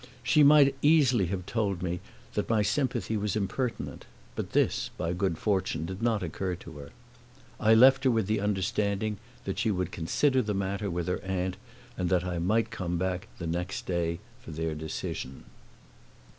She might easily have told me that my sympathy was impertinent, but this by good fortune did not occur to her. I left her with the understanding that she would consider the matter with her aunt and that I might come back the next day for their decision.